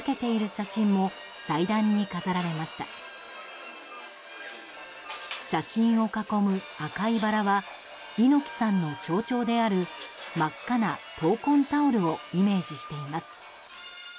写真を囲む赤いバラは猪木さんの象徴である真っ赤な闘魂タオルをイメージしています。